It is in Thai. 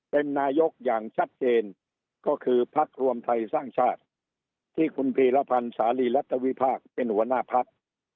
เป็นนายกอย่างชัดเจนก็คือพักรวมไทยสร้างชาติที่คุณพีรพันธ์สาลีรัฐวิพากษ์เป็นหัวหน้าพัก